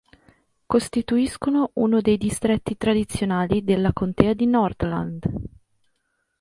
Costituiscono uno dei distretti tradizionali della contea di Nordland.